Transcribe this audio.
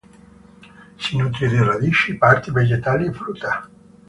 Si nutre di radici, parti vegetali e frutta.